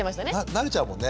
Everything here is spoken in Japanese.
慣れちゃうもんね。